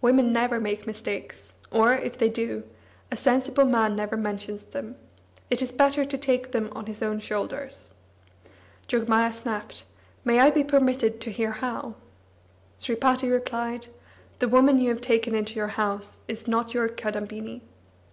Women never make mistakes, or, if they do, a sensible man never mentions them; it is better to take them on his own shoulders. Jogmaya snapped: "May I be permitted to hear how?" Sripati replied: "The woman you have taken into your house is not your Kadambini."